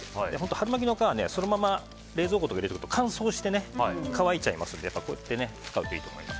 春巻きの皮はそのまま冷蔵庫とかに入れると乾燥して、乾いちゃいますのでこうやって使うといいと思います。